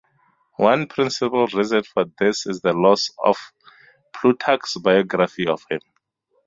One principal reason for this is the loss of Plutarch's biography of him.